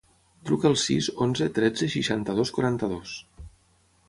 Truca al sis, onze, tretze, seixanta-dos, quaranta-dos.